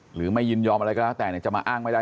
หรือไม่ยินยอมอะไรก็แล้วแต่จะมาอ้างไม่ได้เลย